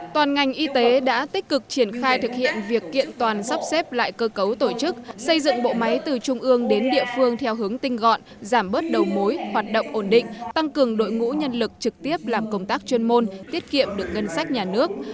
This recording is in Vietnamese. toàn ngành y tế đã tích cực triển khai thực hiện việc kiện toàn sắp xếp lại cơ cấu tổ chức xây dựng bộ máy từ trung ương đến địa phương theo hướng tinh gọn giảm bớt đầu mối hoạt động ổn định tăng cường đội ngũ nhân lực trực tiếp làm công tác chuyên môn tiết kiệm được ngân sách nhà nước